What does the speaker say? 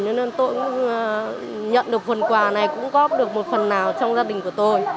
nên tôi nhận được phần quà này cũng góp được một phần nào trong gia đình của tôi